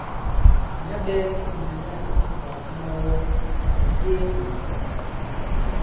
Ìna ɓɛɛ̄ ì mɛ̀nla ìfumkàgàdi mawɔ nì jee ì màsɔ̌ŋ.